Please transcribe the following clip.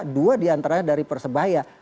dua diantaranya dari persebaya